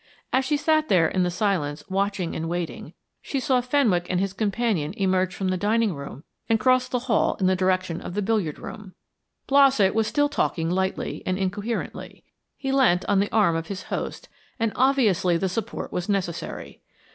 As she sat there in the silence watching and waiting, she saw Fenwick and his companion emerge from the dining room and cross the hall in the direction of the billiard room. Blossett was still talking lightly and incoherently; he leant on the arm of his host, and obviously the support was necessary.